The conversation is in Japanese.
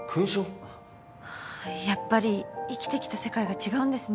やっぱり生きてきた世界が違うんですね。